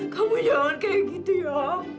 kamu jangan kayak gitu ya